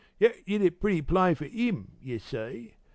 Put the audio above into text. That did it pretty plain fer 'im, yer see.